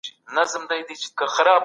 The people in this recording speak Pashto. لوستونکی له منطقي تسلسل څخه خوند اخلي.